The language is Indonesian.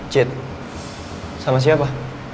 cit sama siapa